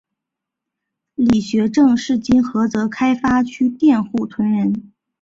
李学政是今菏泽开发区佃户屯人。